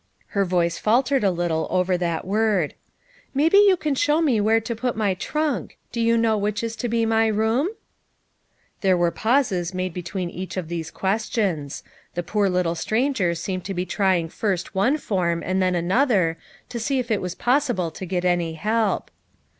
her voice faltered a little over that word ;" maybe you can show me where to put my trunk; do you know which is to be my room ?" There were pauses made between each of these questions. The poor little stranger seemed to be trying first one form and then another, to see if it was possible to get any help.